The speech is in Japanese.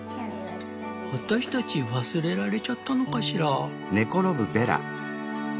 「あたしたち忘れられちゃったのかしら？」。